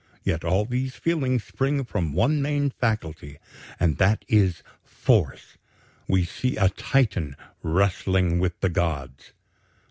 yet all these feelings spring from one main faculty and that is Force ... we see a Titan wrestling with the Gods."